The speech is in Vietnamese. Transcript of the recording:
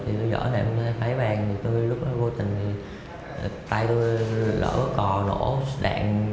thì tôi dỡ nẹo phá bàn lúc đó vô tình tay tôi lỡ có cò nổ đạn